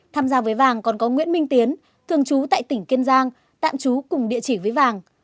tham gia với vàng còn có nguyễn minh tiến thường trú tại tỉnh kiên giang tạm trú cùng địa chỉ với vàng